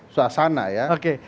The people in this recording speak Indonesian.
suasana ya oke